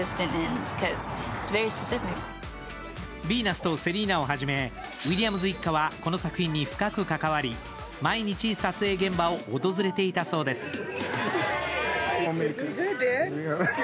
ビーナスとセリーナをはじめウィリアムズ一家は、この作品に深く関わり、毎日撮影現場を訪れていたそうです。